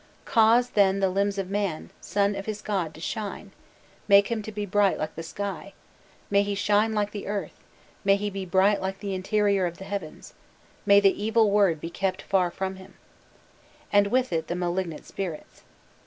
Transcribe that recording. Cause then the limbs of man, son of his god, to shine, make him to be bright like the sky, may he shine like the earth, may he be bright like the interior of the heavens, may the evil word be kept far from him," and with it the malignant spirits.